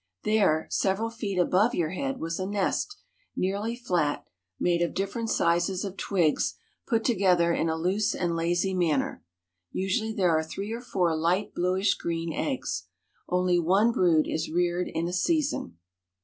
There, several feet above your head was a nest, nearly flat, made of different sizes of twigs put together in a loose and lazy manner. Usually there are three or four light bluish green eggs. Only one brood is reared in a season.